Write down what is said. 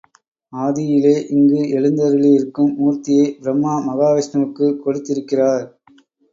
ஆதியிலே, இங்கு எழுந்தருளியிருக்கும் மூர்த்தியை பிரம்மா மகாவிஷ்ணுவுக்குக் கொடுத்திருக்கிறார்.